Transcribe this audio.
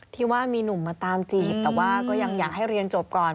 ที่ว่ามีหนุ่มมาตามจีบแต่ว่าก็ยังอยากให้เรียนจบก่อน